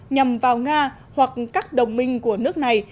nhằm vào nga hoặc các đồng minh của nước này